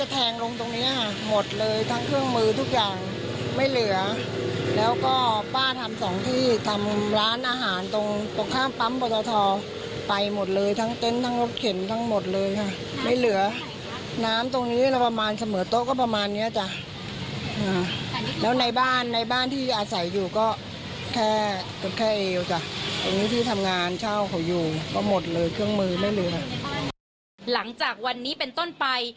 ก็หมดเลยเครื่องมือเรื่อยน่ะหลังจากวันนี้เป็นต้นไป